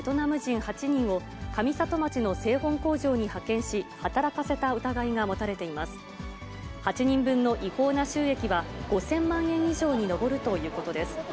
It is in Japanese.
８人分の違法の収益は、５０００万円以上に上るということです。